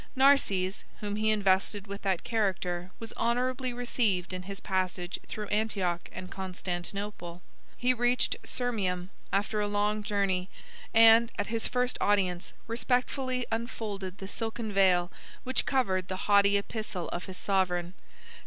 Narses, whom he invested with that character, was honorably received in his passage through Antioch and Constantinople: he reached Sirmium after a long journey, and, at his first audience, respectfully unfolded the silken veil which covered the haughty epistle of his sovereign.